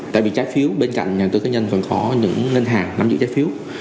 tại vì trái phiếu bên cạnh nhà đầu tư tư nhân vẫn có những ngân hàng nắm giữ trái phiếu